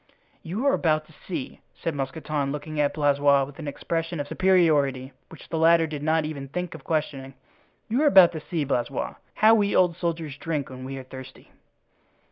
"You are about to see," said Mousqueton, looking at Blaisois with an expression of superiority which the latter did not even think of questioning, "you are about to see, Blaisois, how we old soldiers drink when we are thirsty."